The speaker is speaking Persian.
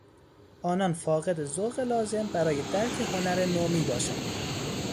آنان فاقد ذوق لازم برای درک هنر نو میباشند.